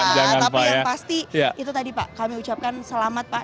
tapi yang pasti itu tadi pak kami ucapkan selamat pak